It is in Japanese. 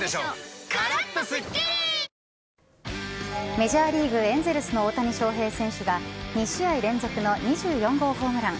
メジャーリーグ・エンゼルスの大谷翔平選手が、２試合連続の２４号ホームラン。